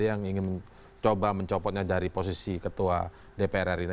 yang ingin mencoba mencopotnya dari posisi ketua dprr ini